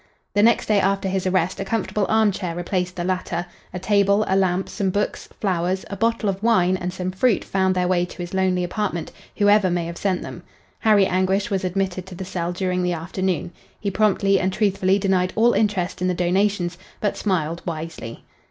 The next day after his arrest a comfortable arm chair replaced the latter; a table, a lamp, some books, flowers, a bottle of wine and some fruit found their way to his lonely apartment whoever may have sent them. Harry Anguish was admitted to the cell during the afternoon. He promptly and truthfully denied all interest in the donations, but smiled wisely.